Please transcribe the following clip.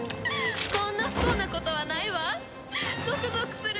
こんな不幸なことはないわ。ゾクゾクする！